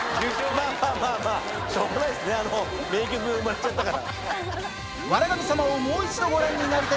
まぁしょうがないですね名曲生まれちゃったから。